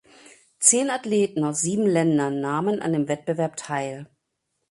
Zehn Athleten aus sieben Ländern nahmen an dem Wettbewerb teil.